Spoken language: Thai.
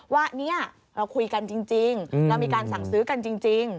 ว่าเนี่ยเราคุยกันจริงเรามีการสั่งซื้อกันจริง